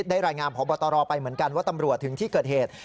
ได้รายงานพบตรไปเหมือนกันว่าตำรวจถึงที่เกิดเหตุ